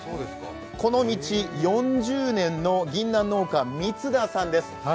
この道４０年のぎんなん農家・光田さんです。